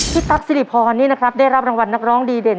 ตั๊กสิริพรนี่นะครับได้รับรางวัลนักร้องดีเด่น